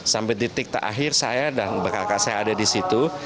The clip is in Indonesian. sampai titik tak akhir saya dan berkaka saya ada di situ